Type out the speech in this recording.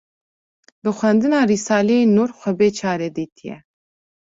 bi xwendina Risaleyên Nûr xwe bê çare dîtîye